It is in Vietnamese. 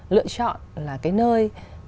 lựa chọn là cái nơi